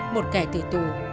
một kẻ tử tù